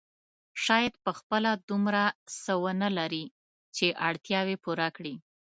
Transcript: شاید په خپله دومره څه ونه لري چې اړتیاوې پوره کړي.